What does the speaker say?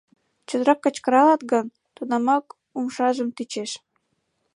Чотрак кычкыралат гын, тунамак умшажым тӱчеш.